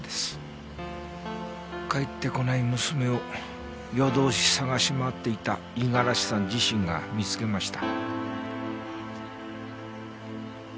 帰ってこない娘を夜通し捜し回っていた五十嵐さん自身が見つけました。